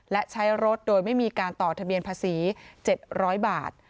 และใช้รถโดยไม่มีการต่อทะเบียนภาษี๗๐๐บาท